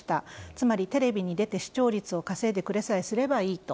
つまり、テレビに出て視聴率を稼いでくれさえすればいいと。